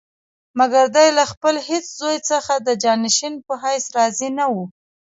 مګر دی له خپل هېڅ زوی څخه د جانشین په حیث راضي نه وو.